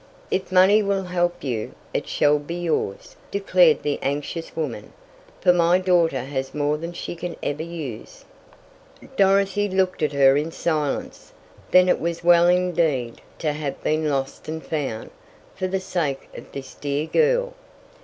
"If money will help you, it shall be yours," declared the anxious woman, "for my daughter has more than she can ever use." Dorothy looked at her in silence. Then it was well indeed to have been lost and found, for the sake of this dear girl!